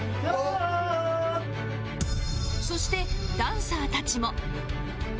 そしてダンサーたちも